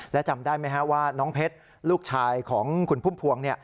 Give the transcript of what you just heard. และจำได้ไหมว่าน้องเพชรลูกชายของคุณพุ่มพวง